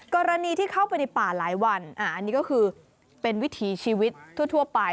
กรณีที่เข้าไปในป่าหลายวันอันนี้ก็คือเป็นวิถีชีวิตทั่วไป